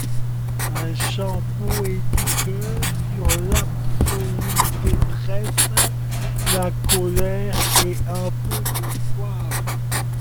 Un chant poétique sur l'absolue détresse, la colère, et un peu d'espoir.